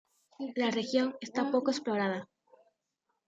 La región está poco explorada.